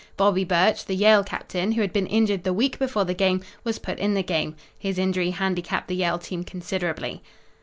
Bobbie Burch, the Yale captain, who had been injured the week before the game, was put in the game. His injury handicapped the Yale team considerably."